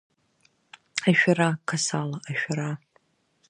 Ашәара, Қасала, ашәара!